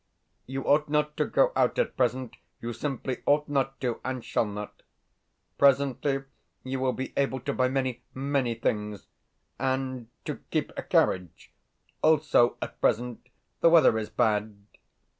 You ought not to go out at present you simply ought not to, and shall not. Presently, you will he able to buy many, many things, and to, keep a carriage. Also, at present the weather is bad.